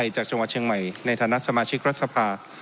จากจังหวัดเชียงใหม่ในฐานะสมาชิกรัฐสภา